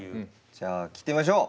じゃあ聴いてみましょう。